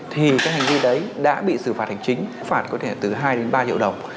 thì cái hành vi đấy đã bị xử phạt hành chính phạt có thể từ hai đến ba triệu đồng